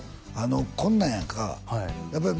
あのこんなんやんかはい